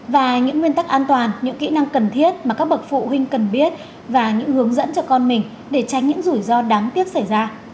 và những nguyên tắc an toàn những kỹ năng cần thiết mà các bậc phụ huynh cần biết và những hướng dẫn cho con mình để tránh những rủi ro đáng tiếc xảy ra